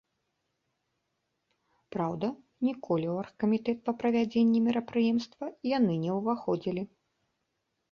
Праўда, ніколі ў аргкамітэт па правядзенні мерапрыемства яны не ўваходзілі.